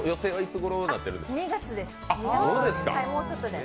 ２月です。